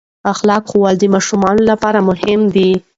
اخلاق ښوول د ماشومانو لپاره مهم دي.